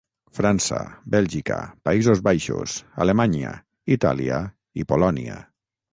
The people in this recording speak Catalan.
França, Bèlgica, Països Baixos, Alemanya, Itàlia i Polònia.